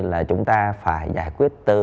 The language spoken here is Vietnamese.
là chúng ta phải giải quyết từ